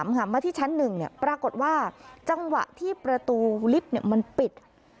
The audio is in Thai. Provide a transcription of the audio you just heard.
หันมาที่ชั้น๑ปรากฏว่าจังหวะที่ประตูลิฟต์มันปิด